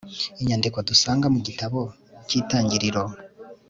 Inyandiko dusanga mu gitabo cyItangiriro